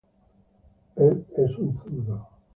Él es un zurdo.